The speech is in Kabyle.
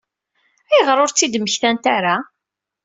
Ayɣer ur tt-id-mmektant ara?